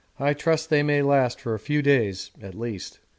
I trust they may last for a few days at least.